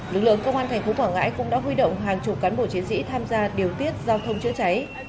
lực lượng công an thành phố quảng ngãi cũng đã huy động hàng chục cán bộ chiến sĩ tham gia điều tiết giao thông chữa cháy